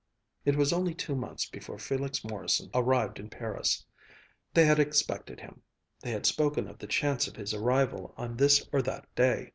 It was only two months before Felix Morrison arrived in Paris. They had expected him. They had spoken of the chance of his arrival on this or that day.